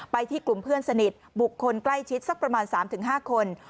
ที่กลุ่มเพื่อนสนิทบุคคลใกล้ชิดสักประมาณ๓๕คน